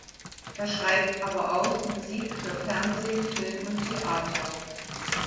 Er schreibt aber auch Musik für Fernsehen, Film und Theater.